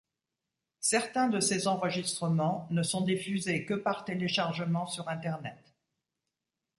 Certains de ses enregistrements ne sont diffusés que par téléchargement sur Internet.